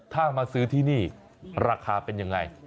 ถ้ามาซื้อที่นี่ราคาเป็นยังไง